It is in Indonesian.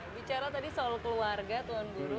bicara tadi soal keluarga tuan guru